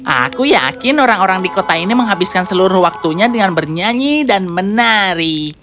aku yakin orang orang di kota ini menghabiskan seluruh waktunya dengan bernyanyi dan menari